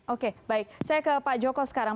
oke baik saya ke pak joko sekarang